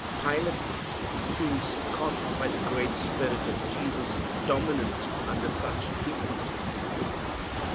Pilate seems caught by the great spirit of Jesus dominant under such treatment.